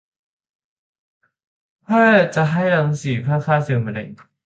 แพทย์จะให้รังสีเพื่อฆ่าเซลล์มะเร็ง